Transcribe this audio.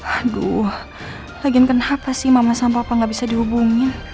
aduh lagi kenapa sih mama sama papa nggak bisa dihubungin